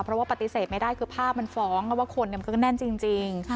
เพราะว่าปฏิเสธไม่ได้คือภาพมันฟ้องเพราะว่าคนมันก็แน่นจริง